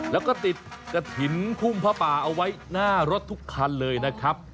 แล้วก็ติดกระถิ่นพุ่มผ้าป่าเอาไว้หน้ารถทุกคันเลยนะครับ